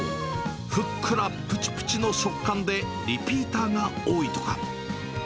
ふっくら、ぷちぷちの食感で、リピーターが多いとか。